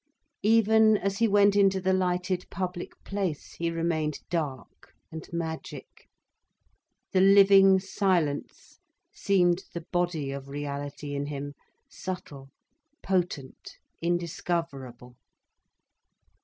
Even as he went into the lighted, public place he remained dark and magic, the living silence seemed the body of reality in him, subtle, potent, indiscoverable.